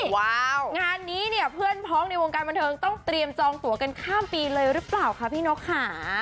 ว้าวงานนี้เนี่ยเพื่อนพ้องในวงการบันเทิงต้องเตรียมจองตัวกันข้ามปีเลยหรือเปล่าคะพี่นกค่ะ